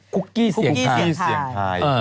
คุกกี้เสี่ยงไทยคุกกี้เสี่ยงไทยเอ่อ